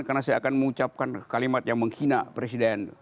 karena saya akan mengucapkan kalimat yang menghina presiden